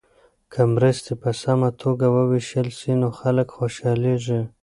که مرستې په سمه توګه وویشل سي نو خلک خوشحالیږي.